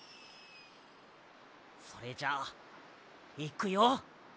それじゃあいくよ！